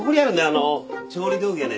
あのう調理道具やね